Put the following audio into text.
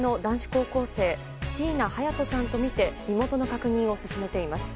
高校生椎名隼都さんとみて身元の確認を進めています。